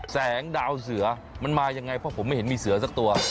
แสงดาวเสือมันมายังไงเพราะผมไม่เห็นมีเสือสักตัว